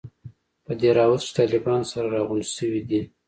په دهراوت کښې طالبان سره راغونډ سوي دي.